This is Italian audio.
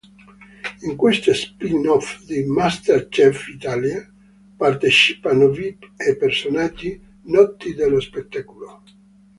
In questo spin-off di "MasterChef Italia" partecipano vip e personaggi noti dello spettacolo.